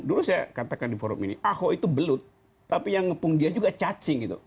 dulu saya katakan di forum ini ahok itu belut tapi yang ngepung dia juga cacing gitu